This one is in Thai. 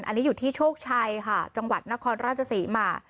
อันนี้อยู่ที่โชคชัยค่ะจังหวัดนครราชศรีมา